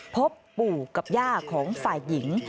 พบปู่กับย่าของฝ่ายหญิง